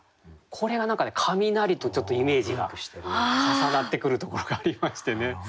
これは何か雷とちょっとイメージが重なってくるところがありましてね。